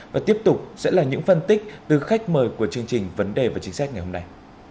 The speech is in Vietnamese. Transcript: và tiếp tục sẽ là những phân tích từ khách mời của chương trình vấn đề và chính sách ngày hôm nay